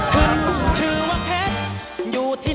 ก่อนขึ้นพลังว่า